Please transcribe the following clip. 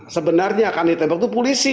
sebenarnya karena ditembak itu polisi